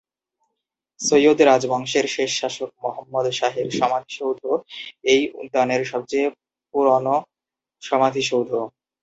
সৈয়দ রাজবংশের শেষ শাসক মহম্মদ শাহের সমাধিসৌধ এই উদ্যানের সবচেয়ে পুরনো সমাধিসৌধ।